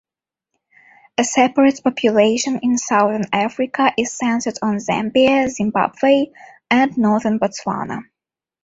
A separate population in southern Africa is centred on Zambia, Zimbabwe and northern Botswana.